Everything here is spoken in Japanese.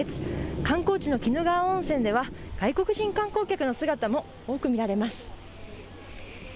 観光地の鬼怒川温泉では外国人観光客の姿も多く見られます。